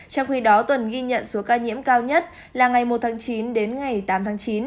trong khi đó tuần ghi nhận số ca nhiễm cao nhất là ngày một tháng chín đến ngày tám tháng chín